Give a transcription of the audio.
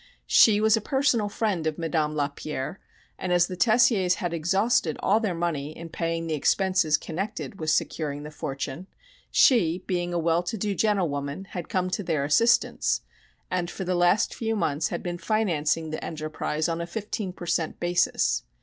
She was a personal friend of Madame Lapierre, and as the Tessiers had exhausted all their money in paying the expenses connected with securing the fortune, she, being a well to do gentlewoman, had come to their assistance, and for the last few months had been financing the enterprise on a fifteen per cent. basis.